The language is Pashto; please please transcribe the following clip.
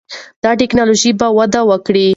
دا ټکنالوژي به وده وکړي.